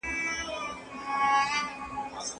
زه به د تکړښت لپاره تللي وي؟!